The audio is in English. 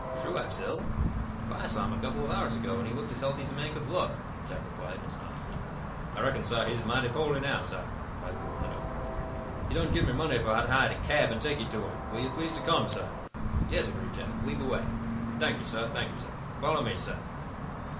"Truax ill? Why, I saw him a couple of hours ago, and he looked as healthy as a man could look," Jack replied, in astonishment. "I reckon, sah, he's mighty po'ly now, sah," replied the mulatto. "He done gib me money fo' to hiah a cab an' take yo' to him. Will yo' please to come, sah?" "Yes," agreed Jack. "Lead the way." "T'ank yo', sah; t'ank yo', sah. Follow me, sah."